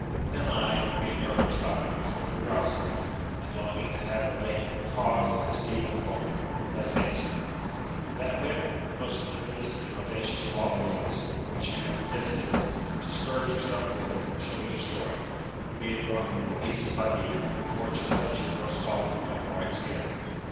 Then I, being urged by my usual curiosity, and longing to have the latent cause of this deed unfolded, thus answered: That whip, the most iniquitous and audacious of all things, which you have destined to scourge yourself with, shall be destroyed, being broken in pieces by me, before it shall touch your most soft and milk white skin.